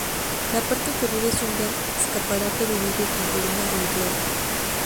La parte inferior es un gran escaparate de vidrio con columnas de hierro.